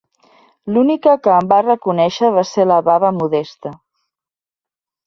L'única que em va reconèixer va ser la baba Modesta.